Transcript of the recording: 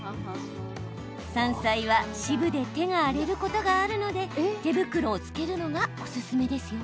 山菜は渋で手が荒れることがあるので手袋を着けるのがオススメですよ。